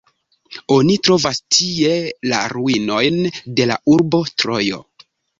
Oni trovas tie la ruinojn de la urbo Trojo.